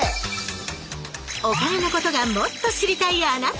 お金のことがもっと知りたいあなた！